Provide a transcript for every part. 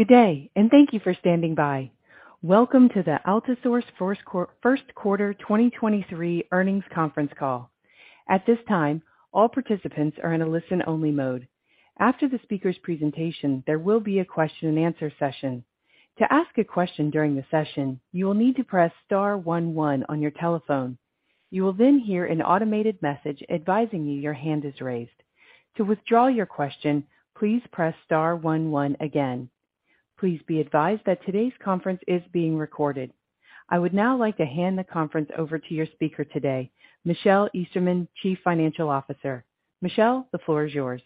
Good day, and thank you for standing by. Welcome to the Altisource first quarter 2023 earnings conference call. At this time, all participants are in a listen-only mode. After the speaker's presentation, there will be a question and answer session. To ask a question during the session, you will need to press star one one on your telephone. You will then hear an automated message advising you your hand is raised. To withdraw your question, please press star one one again. Please be advised that today's conference is being recorded. I would now like to hand the conference over to your speaker today, Michelle Esterman, Chief Financial Officer. Michelle, the floor is yours.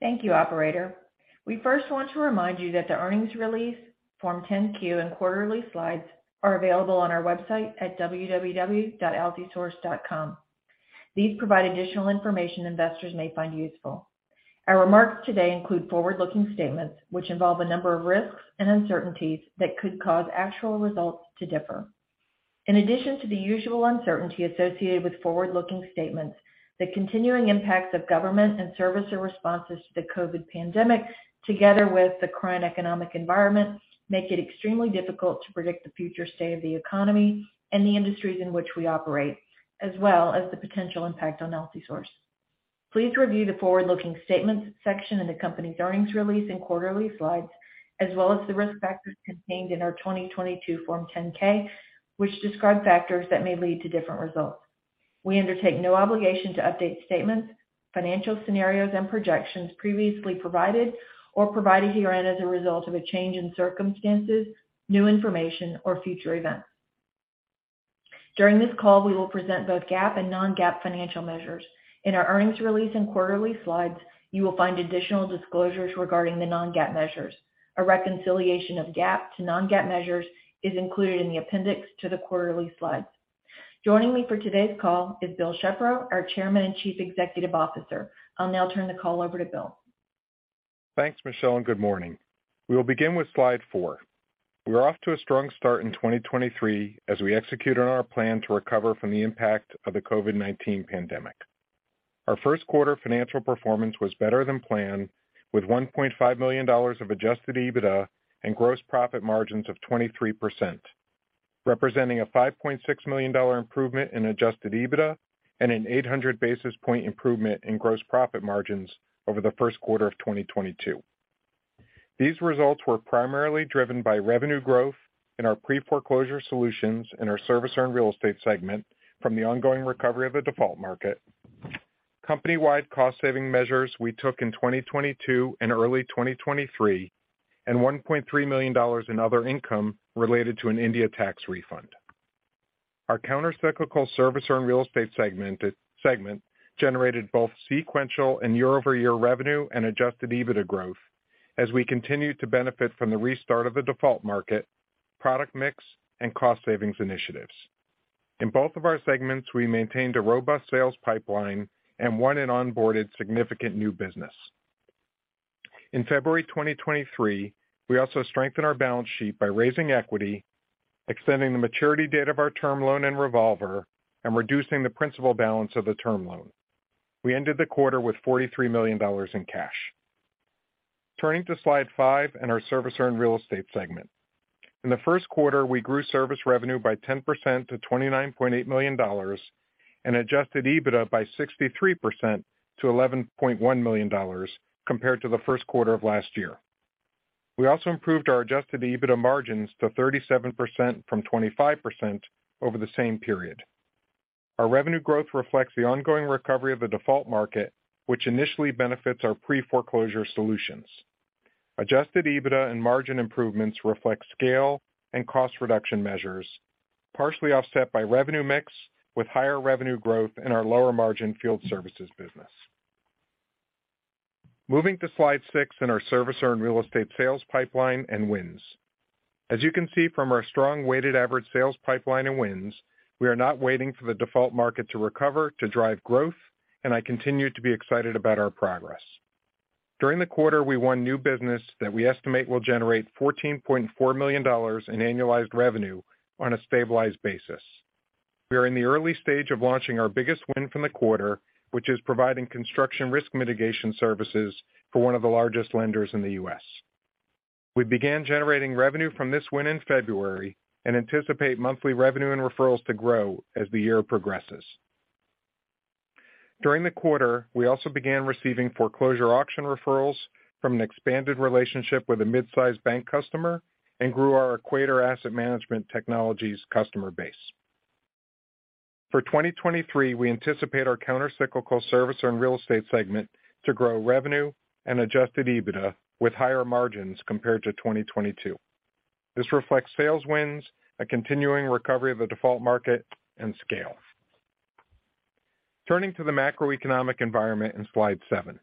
Thank you, operator. We first want to remind you that the earnings release, Form 10-Q, and quarterly slides are available on our website at www.altisource.com. These provide additional information investors may find useful. Our remarks today include forward-looking statements, which involve a number of risks and uncertainties that could cause actual results to differ. In addition to the usual uncertainty associated with forward-looking statements, the continuing impacts of government and servicer responses to the COVID-19 pandemic, together with the current economic environment, make it extremely difficult to predict the future state of the economy and the industries in which we operate, as well as the potential impact on Altisource. Please review the forward-looking statements section in the company's earnings release and quarterly slides, as well as the risk factors contained in our 2022 Form 10-K, which describe factors that may lead to different results. We undertake no obligation to update statements, financial scenarios, and projections previously provided or provided herein as a result of a change in circumstances, new information, or future events. During this call, we will present both GAAP and non-GAAP financial measures. In our earnings release and quarterly slides, you will find additional disclosures regarding the non-GAAP measures. A reconciliation of GAAP to non-GAAP measures is included in the appendix to the quarterly slides. Joining me for today's call is Will Shepro, our Chairman and Chief Executive Officer. I'll now turn the call over to Will. Thanks, Michelle. Good morning. We will begin with slide four we are off to a strong start in 2023 as we execute on our plan to recover from the impact of the COVID-19 pandemic. Our first quarter financial performance was better than planned with $1.5 million of adjusted EBITDA and gross profit margins of 23%, representing a $5.6 million improvement in adjusted EBITDA and an 800 basis point improvement in gross profit margins over the first quarter of 2022. These results were primarily driven by revenue growth in our pre-foreclosure solutions in our servicer and real estate segment from the ongoing recovery of the default market, company-wide cost saving measures we took in 2022 and early 2023, and $1.3 million in other income related to an India tax refund. Our counter-cyclical servicer and real estate segment generated both sequential and year-over-year revenue and adjusted EBITDA growth as we continued to benefit from the restart of the default market, product mix, and cost savings initiatives. In both of our segments, we maintained a robust sales pipeline and won and onboarded significant new business. In February 2023, we also strengthened our balance sheet by raising equity, extending the maturity date of our term loan and revolver, and reducing the principal balance of the term loan. We ended the quarter with $43 million in cash. Turning to slide five and our servicer and real estate segment. In the first quarter, we grew service revenue by 10% to $29.8 million and adjusted EBITDA by 63% to $11.1 million compared to the first quarter of last year. We also improved our adjusted EBITDA margins to 37% from 25% over the same period. Our revenue growth reflects the ongoing recovery of the default market, which initially benefits our pre-foreclosure solutions. Adjusted EBITDA and margin improvements reflect scale and cost reduction measures, partially offset by revenue mix with higher revenue growth in our lower margin field services business. Moving to slide six in our servicer and real estate sales pipeline and wins. As you can see from our strong weighted average sales pipeline and wins, we are not waiting for the default market to recover to drive growth, and I continue to be excited about our progress. During the quarter, we won new business that we estimate will generate $14.4 million in annualized revenue on a stabilized basis. We are in the early stage of launching our biggest win from the quarter, which is providing construction risk mitigation services for one of the largest lenders in the U.S. We began generating revenue from this win in February and anticipate monthly revenue and referrals to grow as the year progresses. During the quarter, we also began receiving foreclosure auction referrals from an expanded relationship with a mid-sized bank customer and grew our Equator Asset Management Technologies customer base. For 2023, we anticipate our counter-cyclical servicer and real estate segment to grow revenue and adjusted EBITDA with higher margins compared to 2022. This reflects sales wins, a continuing recovery of the default market, and scale. Turning to the macroeconomic environment on slide seven.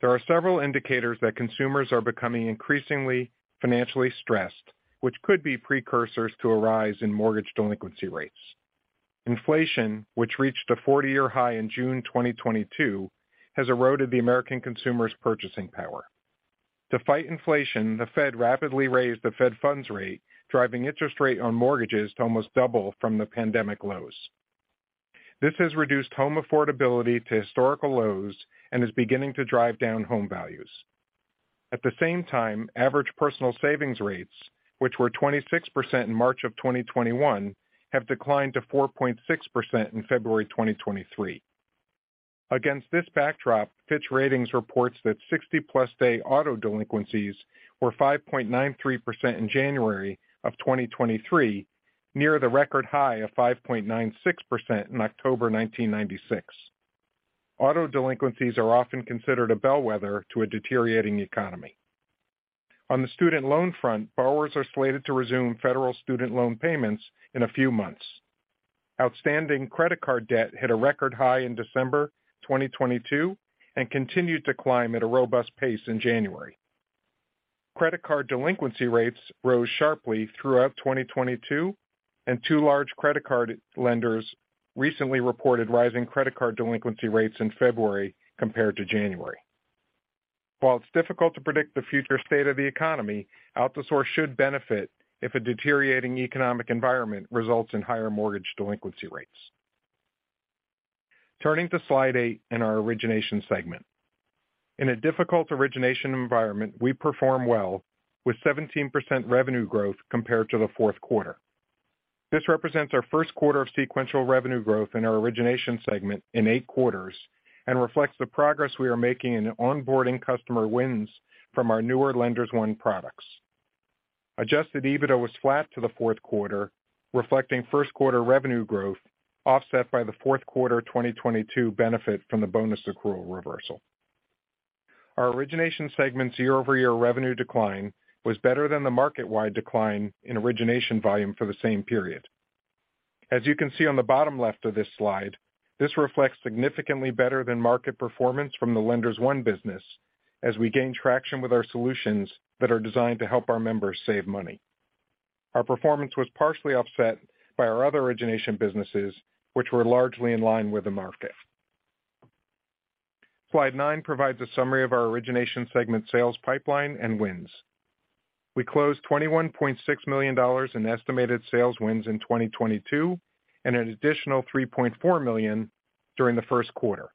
There are several indicators that consumers are becoming increasingly financially stressed, which could be precursors to a rise in mortgage delinquency rates. Inflation, which reached a 40-year high in June 2022, has eroded the American consumer's purchasing power. To fight inflation, the Fed rapidly raised the federal funds rate, driving interest rate on mortgages to almost double from the pandemic lows. This has reduced home affordability to historical lows and is beginning to drive down home values. At the same time, average personal savings rates, which were 26% in March 2021, have declined to 4.6% in February 2023. Against this backdrop, Fitch Ratings reports that 60-plus day auto delinquencies were 5.93% in January 2023, near the record high of 5.96% in October 1996. Auto delinquencies are often considered a bellwether to a deteriorating economy. On the student loan front, borrowers are slated to resume federal student loan payments in a few months. Outstanding credit card debt hit a record high in December 2022 and continued to climb at a robust pace in January. Credit card delinquency rates rose sharply throughout 2022, and two large credit card lenders recently reported rising credit card delinquency rates in February compared to January. While it's difficult to predict the future state of the economy, Altisource should benefit if a deteriorating economic environment results in higher mortgage delinquency rates. Turning to slide eight in our origination segment. In a difficult origination environment, we perform well with 17% revenue growth compared to the fourth quarter. This represents our first quarter of sequential revenue growth in our origination segment in eight quarters and reflects the progress we are making in onboarding customer wins from our newer Lenders One products. Adjusted EBITDA was flat to the fourth quarter, reflecting first quarter revenue growth offset by the fourth quarter 2022 benefit from the bonus accrual reversal. Our origination segment's year-over-year revenue decline was better than the market-wide decline in origination volume for the same period. As you can see on the bottom left of this slide, this reflects significantly better than market performance from the Lenders One business as we gain traction with our solutions that are designed to help our members save money. Our performance was partially offset by our other origination businesses, which were largely in line with the market. Slide nine provides a summary of our origination segment sales pipeline and wins. We closed $21.6 million in estimated sales wins in 2022 and an additional $3.4 million during the first quarter.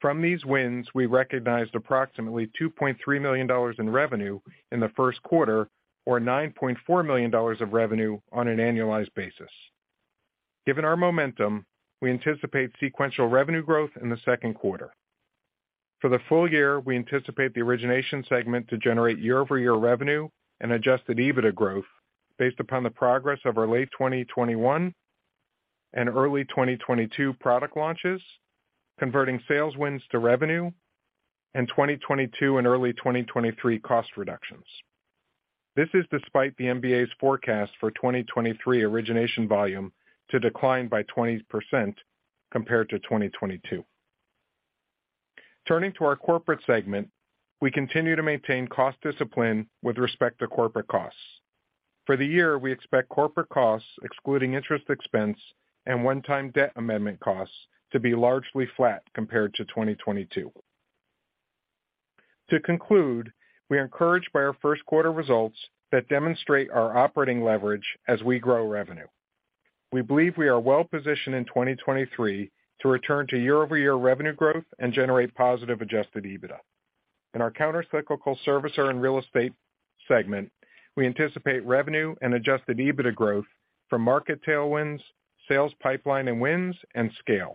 From these wins, we recognized approximately $2.3 million in revenue in the first quarter or $9.4 million of revenue on an annualized basis. Given our momentum, we anticipate sequential revenue growth in the second quarter. For the full year, we anticipate the origination segment to generate year-over-year revenue and adjusted EBITDA growth based upon the progress of our late 2021 and early 2022 product launches, converting sales wins to revenue, and 2022 and early 2023 cost reductions. This is despite the MBA's forecast for 2023 origination volume to decline by 20% compared to 2022. Turning to our corporate segment, we continue to maintain cost discipline with respect to corporate costs. For the year, we expect corporate costs excluding interest expense and one-time debt amendment costs to be largely flat compared to 2022. To conclude, we are encouraged by our first quarter results that demonstrate our operating leverage as we grow revenue. We believe we are well positioned in 2023 to return to year-over-year revenue growth and generate positive adjusted EBITDA. In our countercyclical servicer and real estate segment, we anticipate revenue and adjusted EBITDA growth from market tailwinds, sales pipeline and wins, and scale.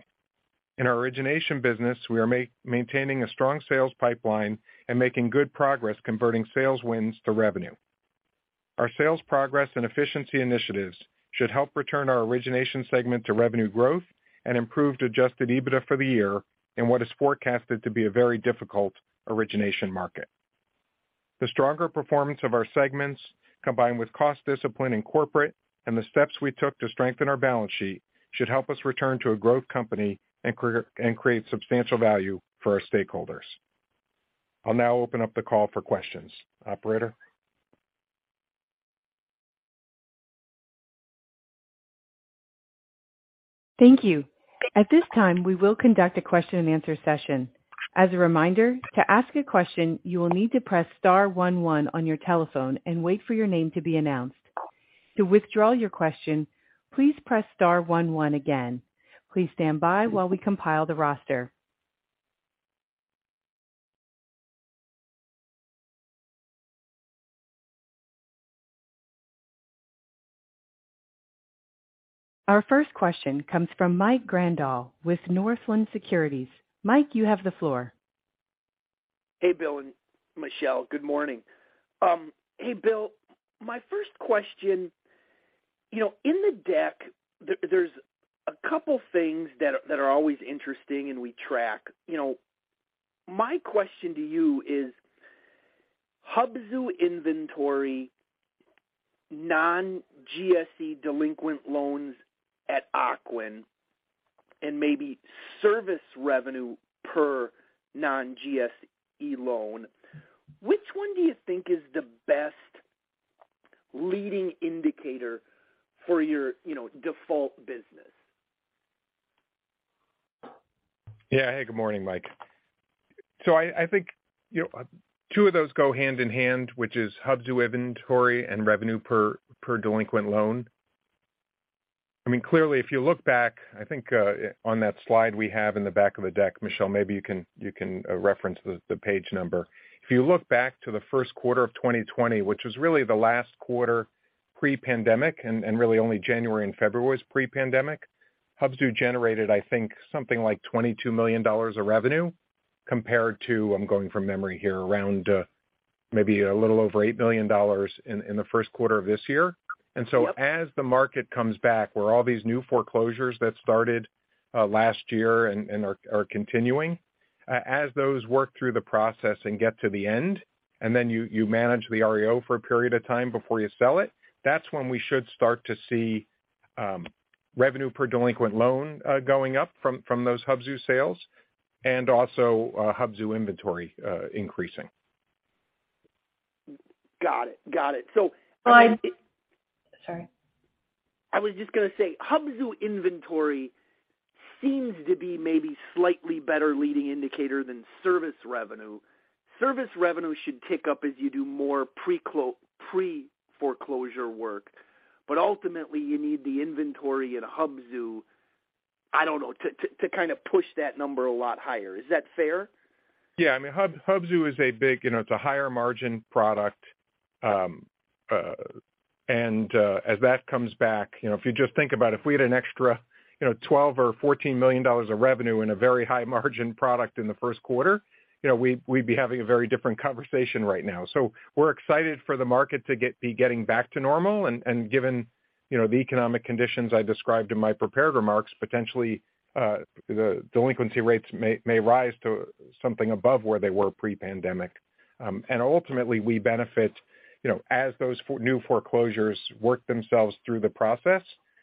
In our origination business, we are maintaining a strong sales pipeline and making good progress converting sales wins to revenue. Our sales progress and efficiency initiatives should help return our origination segment to revenue growth and improved adjusted EBITDA for the year in what is forecasted to be a very difficult origination market. The stronger performance of our segments, combined with cost discipline in corporate and the steps we took to strengthen our balance sheet, should help us return to a growth company and create substantial value for our stakeholders. I'll now open up the call for questions. Operator? Thank you. At this time, we will conduct a question-and-answer session. As a reminder, to ask a question, you will need to press star one one on your telephone and wait for your name to be announced. To withdraw your question, please press star one one again. Please stand by while we compile the roster. Our first question comes from Michael Grondahl with Northland Securities. Mike, you have the floor. Hey, Will and Michelle. Good morning. Hey, Will. My first question, you know, in the deck, there's a couple things that are always interesting and we track. You know, my question to you is Hubzu inventory, non-GSE delinquent loans at Ocwen, and maybe service revenue per non-GSE loan, which one do you think is the best leading indicator for your, you know, default business? Yeah. Hey, good morning, Mike. I think, you know, two of those go hand in hand, which is Hubzu inventory and revenue per delinquent loan. I mean, clearly, if you look back, I think, on that slide we have in the back of the deck, Michelle, maybe you can reference the page number. If you look back to the first quarter of 2020, which was really the last quarter pre-pandemic, and really only January and February was pre-pandemic, Hubzu generated, I think, something like $22 million of revenue compared to, I'm going from memory here, around maybe a little over $8 million in the first quarter of this year. Yep. As the market comes back, where all these new foreclosures that started last year and are continuing, as those work through the process and get to the end, and then you manage the REO for a period of time before you sell it, that's when we should start to see revenue per delinquent loan going up from those Hubzu sales and also Hubzu inventory increasing. Got it. Got it. Slide- Sorry. I was just gonna say, Hubzu inventory seems to be maybe slightly better leading indicator than service revenue. Service revenue should tick up as you do more pre-foreclosure work. Ultimately, you need the inventory in Hubzu, I don't know, to kind of push that number a lot higher. Is that fair? Yeah. I mean, Hubzu is a big, you know, it's a higher margin product. As that comes back, you know, if you just think about if we had an extra, you know, $12 million-$14 million of revenue in a very high margin product in the first quarter, you know, we'd be having a very different conversation right now. We're excited for the market to be getting back to normal. Given, you know, the economic conditions I described in my prepared remarks, potentially, the delinquency rates may rise to something above where they were pre-pandemic. Ultimately, we benefit, you know, as those new foreclosures work themselves through the process,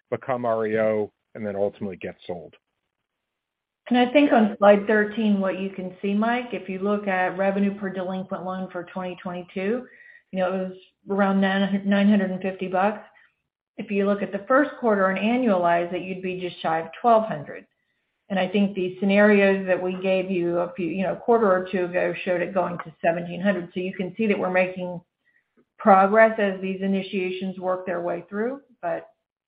become REO, and then ultimately get sold. I think on slide 13, what you can see, Mike, if you look at revenue per delinquent loan for 2022, you know, it was around $950. If you look at the first quarter and annualize it, you'd be just shy of $1200. I think the scenarios that we gave you a few, you know, a quarter or two ago showed it going to $1700. You can see that we're making progress as these initiations work their way through. You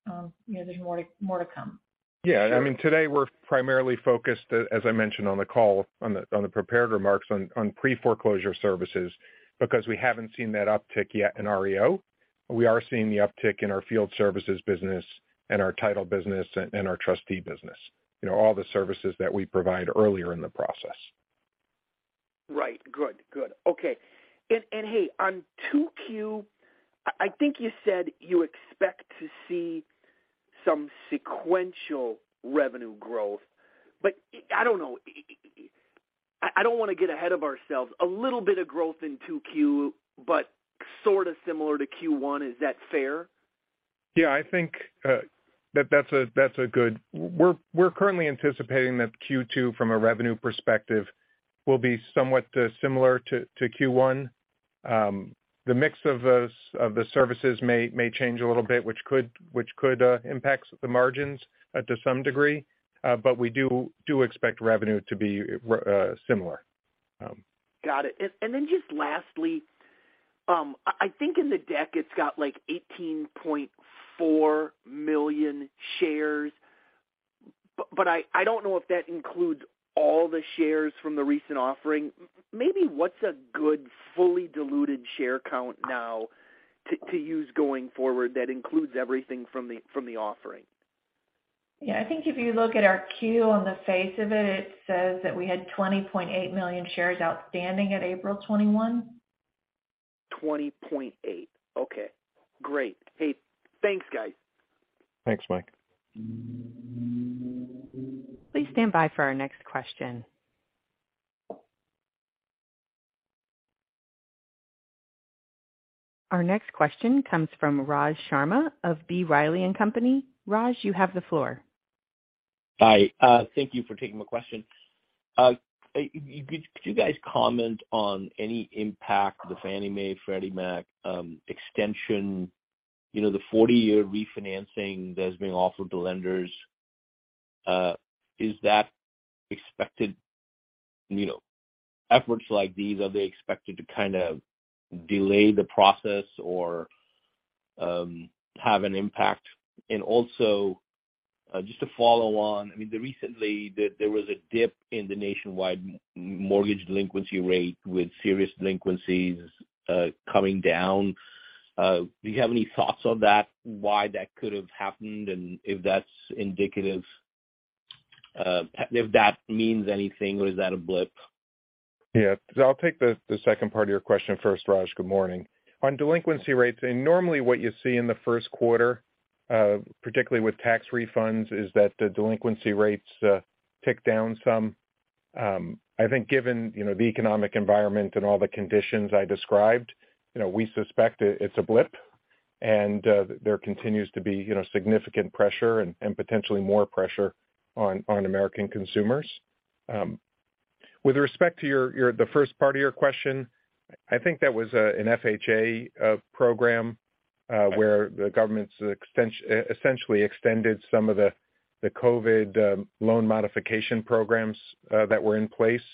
know, there's more to come. Yeah. I mean, today we're primarily focused, as I mentioned on the call, on the prepared remarks, on pre-foreclosure services because we haven't seen that uptick yet in REO. We are seeing the uptick in our field services business and our title business and our trustee business. You know, all the services that we provide earlier in the process. Right. Good, good. Okay. Hey, on 2Q, I think you said you expect to see some sequential revenue growth. I don't know, I don't wanna get ahead of ourselves. A little bit of growth in 2Q, but sorta similar to Q1, is that fair? Yeah, I think, We're currently anticipating that Q2, from a revenue perspective, will be somewhat similar to Q1. The mix of those, of the services may change a little bit, which could impact the margins to some degree. We do expect revenue to be similar. Got it. Just lastly, I think in the deck it's got, like, 18.4 million shares. I don't know if that includes all the shares from the recent offering. Maybe what's a good fully diluted share count now to use going forward that includes everything from the offering? Yeah. I think if you look at our Q, on the face of it says that we had 20.8 million shares outstanding at April 21. 20.8. Okay, great. Hey, thanks, guys. Thanks, Mike. Please stand by for our next question. Our next question comes from Raj Sharma of B. Riley & Company. Raj, you have the floor. Hi. Thank you for taking my question. Could you guys comment on any impact the Fannie Mae, Freddie Mac, extension, you know, the 40-year refinancing that's being offered to lenders? Efforts like these, are they expected to kind of delay the process or have an impact? Also, just to follow on, I mean, recently there was a dip in the nationwide mortgage delinquency rate with serious delinquencies, coming down. Do you have any thoughts on that, why that could have happened, and if that's indicative, if that means anything, or is that a blip? Yeah. I'll take the second part of your question first, Raj. Good morning. On delinquency rates, normally what you see in the first quarter, particularly with tax refunds, is that the delinquency rates tick down some. I think given, you know, the economic environment and all the conditions I described, you know, we suspect it's a blip and there continues to be, you know, significant pressure and potentially more pressure on American consumers. With respect to your the first part of your question, I think that was an FHA program where the government's essentially extended some of the COVID loan modification programs that were in place.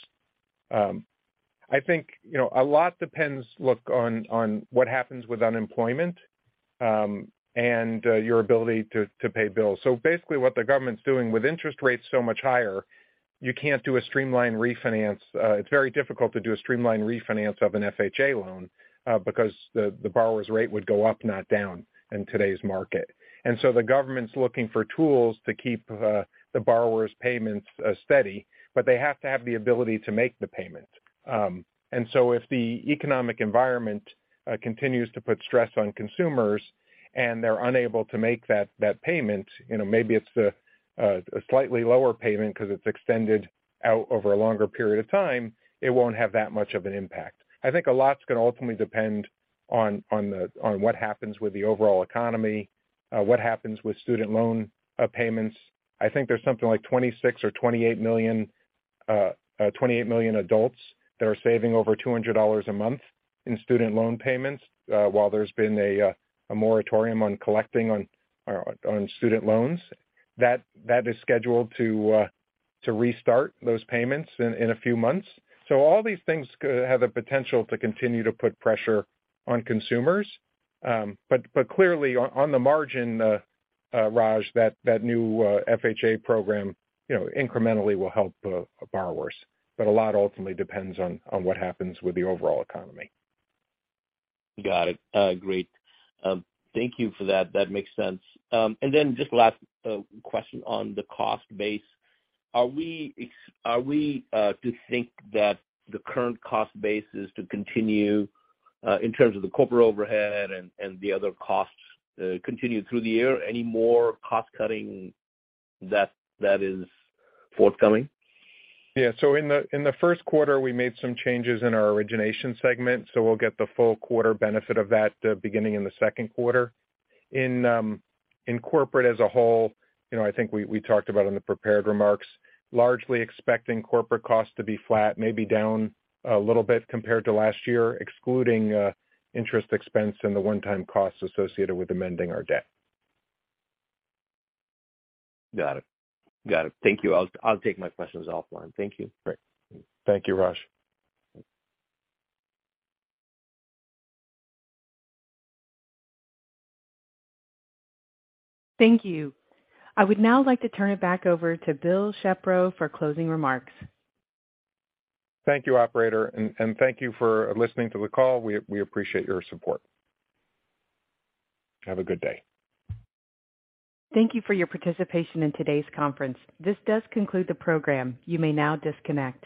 I think, you know, a lot depends, look, on what happens with unemployment and your ability to pay bills. Basically what the government's doing with interest rates so much higher, you can't do a streamlined refinance. It's very difficult to do a streamlined refinance of an FHA loan because the borrower's rate would go up, not down in today's market. The government's looking for tools to keep the borrower's payments steady, but they have to have the ability to make the payment. If the economic environment continues to put stress on consumers and they're unable to make that payment, you know, maybe it's a slightly lower payment 'cause it's extended out over a longer period of time, it won't have that much of an impact. I think a lot's gonna ultimately depend on what happens with the overall economy, what happens with student loan payments. I think there's something like 26 million or 28 million, 28 million adults that are saving over $200 a month in student loan payments, while there's been a moratorium on collecting on student loans. That is scheduled to restart those payments in a few months. All these things have the potential to continue to put pressure on consumers. Clearly on the margin, Raj, that new FHA program, you know, incrementally will help borrowers. A lot ultimately depends on what happens with the overall economy. Got it. Great. Thank you for that. That makes sense. Just last question on the cost base. Are we to think that the current cost base is to continue, in terms of the corporate overhead and the other costs, continue through the year? Any more cost-cutting that is forthcoming? Yeah. In the, in the first quarter, we made some changes in our origination segment, so we'll get the full quarter benefit of that, beginning in the second quarter. In, in corporate as a whole, you know, I think we talked about in the prepared remarks, largely expecting corporate costs to be flat, maybe down a little bit compared to last year, excluding interest expense and the one-time costs associated with amending our debt. Got it. Thank you. I'll take my questions offline. Thank you. Great. Thank you, Raj. Thank you. I would now like to turn it back over to Will Shepro for closing remarks. Thank you, operator. Thank you for listening to the call. We appreciate your support. Have a good day. Thank you for your participation in today's conference. This does conclude the program. You may now disconnect.